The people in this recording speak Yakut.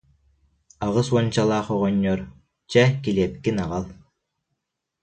Аҕыс уончалаах оҕонньор: «Чэ, килиэпкин аҕал»